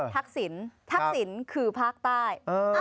ทักศิลป์ทักศิลป์คือภาคใต้